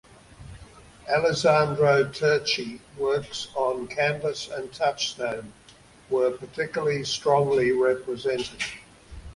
Alessandro Turchi works on canvas and touchstone were particularly strongly represented.